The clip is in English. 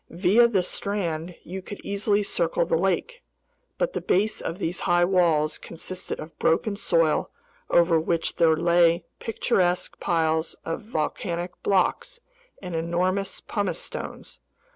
Via this strand you could easily circle the lake. But the base of these high walls consisted of broken soil over which there lay picturesque piles of volcanic blocks and enormous pumice stones.